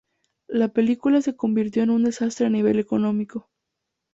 La película se convirtió en un desastre a nivel económico.